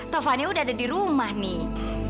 tovani udah ada di rumah nih